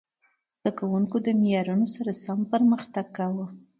زده کوونکي د معیارونو سره سم پرمختګ کاوه.